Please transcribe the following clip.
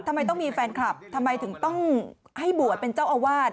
ทำไมต้องมีแฟนคลับทำไมถึงต้องให้บวชเป็นเจ้าอาวาส